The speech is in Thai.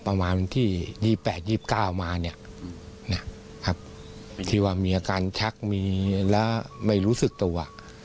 ประมาณที่๒๘๒๙มาเนี่ยที่ว่ามีอาการชักแล้วไม่รู้สึกตัว